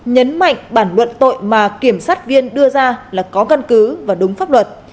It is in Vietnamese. nhấn mạnh bản luận tội mà kiểm sát viên đưa ra là có căn cứ và đúng pháp luật